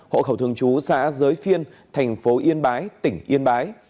hộ khẩu thường trú xã giới phiên tp yên bái tỉnh yên bái